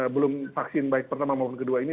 belum vaksin baik pertama maupun kedua ini